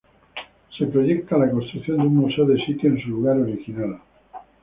Se proyecta la construcción de un museo de sitio en su lugar original.